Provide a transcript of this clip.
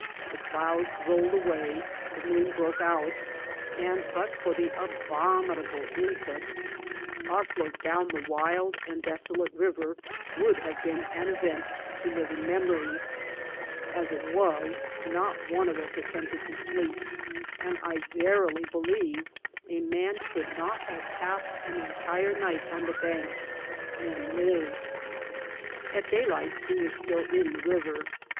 The clouds rolled away, the moon broke out, and, but for the abominable insects, our float down the wild and desolate river would have been an event to live in memory ; as it was, not one of us attempted to sleep ; and I verily believe a man could not have passed an entire night on the banks and lived. At daylight we were still in the river.